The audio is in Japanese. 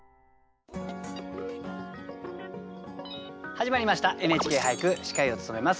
始まりました「ＮＨＫ俳句」司会を務めます